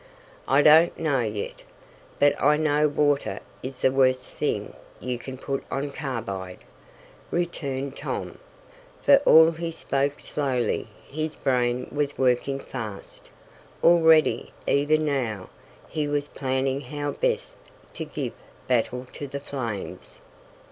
"I don't know yet, but I know water is the worst thing you can put on carbide," returned Tom. For all he spoke Slowly his brain was working fast. Already, even now, he was planning how best to give battle to the flames.